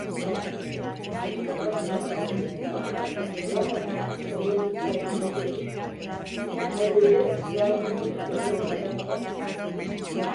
Gazyağı aldığımız bakkalın çırağı onun komşusudur, mahalleli, lazım oldukça onunla haber salar!